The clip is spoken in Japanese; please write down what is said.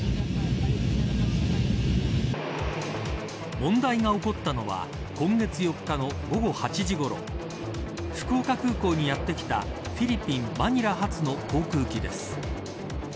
問題が起こったのは今月４日の午後８時ごろ福岡空港にやって来たフィリピン・マニラ発の航空機です。